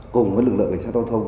cùng với lực lượng cảnh sát giao thông